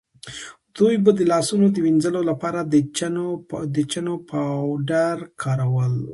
دوی به د لاسونو د وینځلو لپاره د چنو پاوډر کارول.